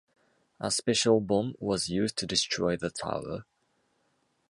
A special bomb was used to destroy the tower.